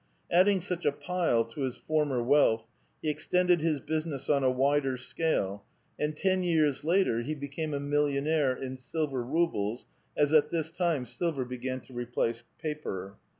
Adding such a pile to his former wealth, he ex tended his business on a wider scale, and ten years later he became a millionaire in silver rubles, as at this time silver began to replace paper.